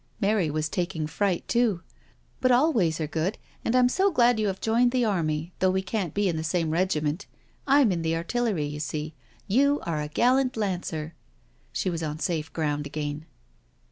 Mary was taking fright too. " But all ways are good, THE DINNER PARTY 225 and Tm so glad you have joined the army, though we can't be in the same regiment. I'm in the artillery^^ you see — you are a gallant lancer I" She was on safe ground again.